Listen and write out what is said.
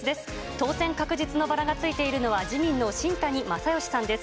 当選確実のバラがついているのは自民の新谷正義さんです。